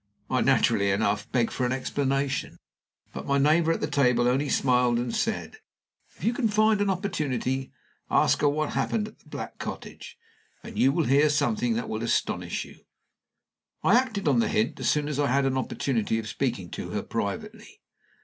I naturally enough begged for an explanation; but my neighbor at the table only smiled and said, 'If you can find an opportunity, ask her what happened at The Black Cottage, and you will hear something that will astonish you.' I acted on the hint as soon as I had an opportunity of speaking to her privately.